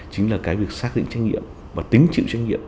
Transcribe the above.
chính là cái việc xác định trách nhiệm và tính chịu trách nhiệm